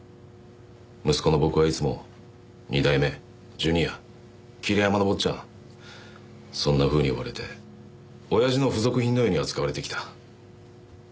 息子の僕はいつも二代目ジュニア桐山の坊ちゃんそんなふうに呼ばれて親父の付属品のように扱われてきた。